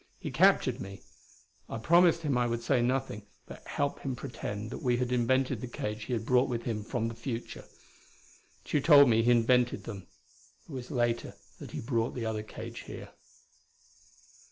He captured me. I promised him I would say nothing, but help him pretend that we had invented the cage he had brought with him from the future. Tugh told me he invented them. It was later that he brought the other cage here.